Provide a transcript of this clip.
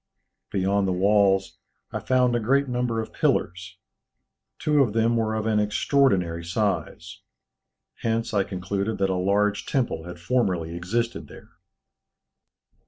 Beyond the walls, I found a great number of pillars; two of them were of an extraordinary size. Hence I concluded that a large temple had formerly existed there."